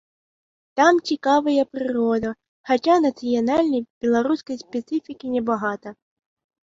Там цікавая прырода, хаця нацыянальнай, беларускай спецыфікі небагата.